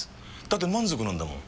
だって満足なんだもん。